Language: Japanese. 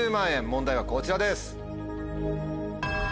問題はこちらです。